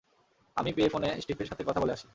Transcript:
আমি পে ফোনে স্টিফের সাথে কথা বলে আসি।